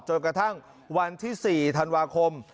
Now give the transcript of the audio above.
จนกระทั่งวันที่๔ธันวาคม